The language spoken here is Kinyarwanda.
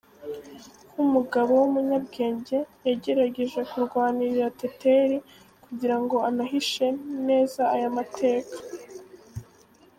Nk’umugabo w’umunyabwenge, yagerageje kurwanirira Teteri kugira ngo anahishe neza aya mateka.